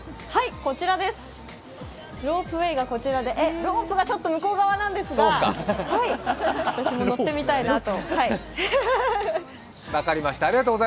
ロープウェイがこちらで、ロープがちょっと向こう側なんですが、私も乗ってみたいなと。